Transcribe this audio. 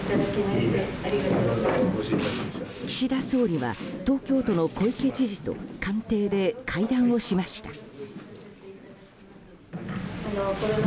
岸田総理は東京都の小池知事と官邸で会談をしました。